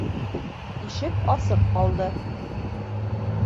Ишек асыҡ ҡалды